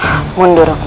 apa yang kamu inginkan pak